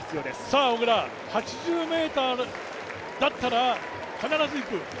さあ小椋、８０ｍだったら必ずいく。